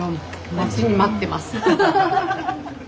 待ちに待ってます！